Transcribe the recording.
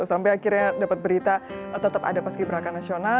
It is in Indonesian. sampai akhirnya dapat berita tetap ada paski beraka nasional